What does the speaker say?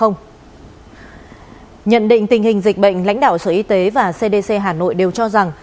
nhận định tình hình dịch bệnh lãnh đạo sở y tế và cdc hà nội đều cho rằng